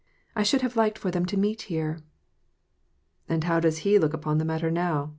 I should have liked for them to meet here." " And how does he look upon the matter, now ?